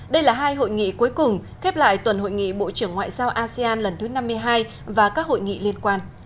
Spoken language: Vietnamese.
đây là hai hội nghị cuối cùng khép lại tuần hội nghị bộ trưởng ngoại giao asean lần thứ năm mươi hai và các hội nghị liên quan